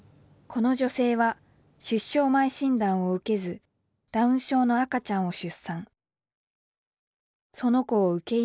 この女性は出生前診断を受けずダウン症の赤ちゃんを出産。